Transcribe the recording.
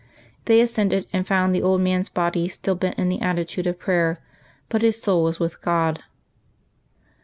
They ascended, and found the old man's body still bent in the attitude of prayer, but his soul was with God.